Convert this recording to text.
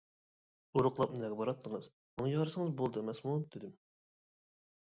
ئورۇقلاپ نەگە باراتتىڭىز، ماڭا يارىسىڭىز بولدى ئەمەسمۇ! — دېدىم.